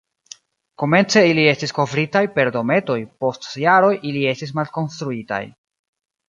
Komence ili estis kovritaj per dometoj, post jaroj ili estis malkonstruitaj.